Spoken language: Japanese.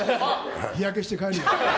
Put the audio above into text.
日焼けして帰るよ。